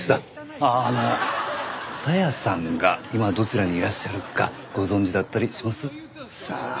あの紗矢さんが今どちらにいらっしゃるかご存じだったりします？さあ。